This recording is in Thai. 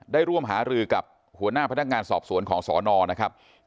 ได้ร่วมหาฤอกับหัวหน้าพนักงานสอบสวนของสอนอสาราสตร์